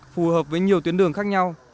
phù hợp với nhiều tuyến đường khác nhau